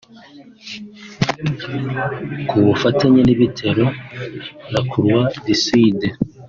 ku bufatanye n’ibitaro la Croix du Sud